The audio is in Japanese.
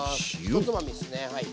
１つまみですね。